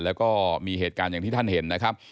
แล้วก็มีเหตุการณ์อย่างที่ท่านเห็นนะครับ